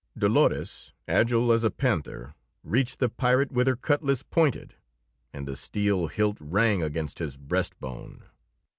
Dolores, agile as a panther, reached the pirate with her cutlas pointed, and the steel hilt rang against his breast bone.